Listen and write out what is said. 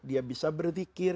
dia bisa berpikir